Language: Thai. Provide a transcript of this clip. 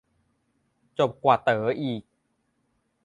จบกว่าเต๋ออีก